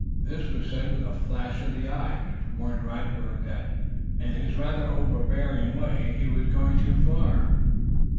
This was said with a flash of the eye which warned Radberg that, in his rather overbearing way, he was going too for.